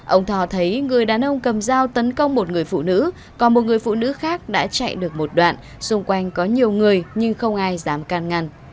ông thò thấy người đàn ông cầm dao tấn công một người phụ nữ còn một người phụ nữ khác đã chạy được một đoạn xung quanh có nhiều người nhưng không ai dám can ngăn